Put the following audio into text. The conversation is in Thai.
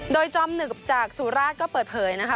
โดยจอมหนึกจากสุราชก็เปิดเผยนะคะ